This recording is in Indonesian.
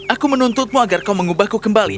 aku menuntutmu agar kau mengubahku kembali